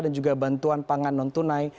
dan juga bantuan pangan non tunai